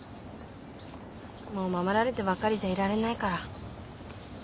もう守られてばっかりじゃいられないから。